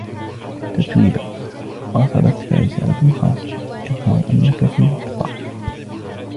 تتويبا: وصلتك رسالة خاصة ؟ يظهر أنك في ورطة...